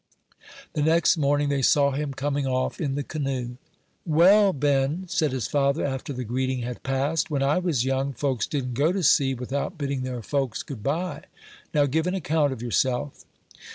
The next morning they saw him coming off in the canoe. "Well, Ben," said his father, after the greeting had passed, "when I was young, folks didn't go to sea without bidding their folks good by. Now, give an account of yourself."